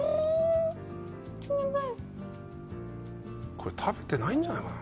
これ食べてないんじゃないのかな。